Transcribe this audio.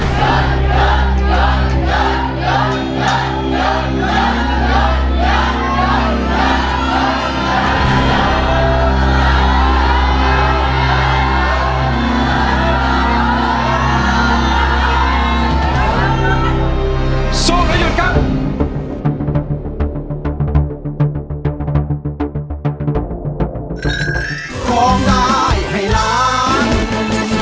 สู้อ่ะหยุดครับ